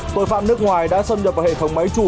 tội phạm nước ngoài đã xâm nhập vào hệ thống máy chủ